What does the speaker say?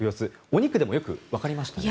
お肉でもよくわかりましたね。